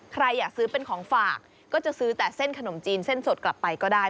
ใครอยากซื้อเป็นของฝากก็จะซื้อแต่เส้นขนมจีนเส้นสดกลับไปก็ได้